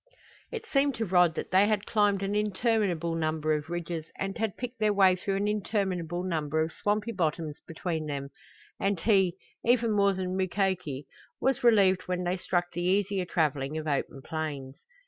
It seemed to Rod that they had climbed an interminable number of ridges and had picked their way through an interminable number of swampy bottoms between them, and he, even more than Mukoki, was relieved when they struck the easier traveling of open plains.